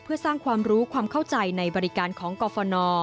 เพื่อสร้างความรู้ความเข้าใจในบริการของกรฟน